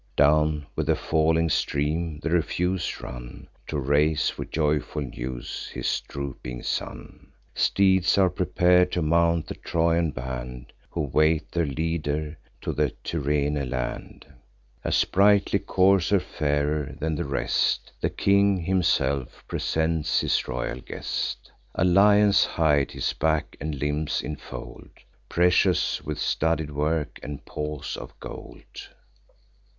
Down with the falling stream the refuse run, To raise with joyful news his drooping son. Steeds are prepar'd to mount the Trojan band, Who wait their leader to the Tyrrhene land. A sprightly courser, fairer than the rest, The king himself presents his royal guest: A lion's hide his back and limbs infold, Precious with studded work, and paws of gold.